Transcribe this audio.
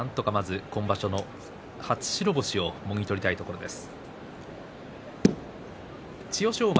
今場所の初白星をもぎ取りたいところです。